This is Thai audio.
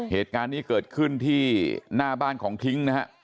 เหตุการณ์นี้เกิดขึ้นที่หน้าบ้านของทิ้งนะฮะ